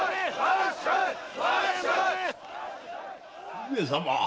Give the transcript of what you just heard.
上様。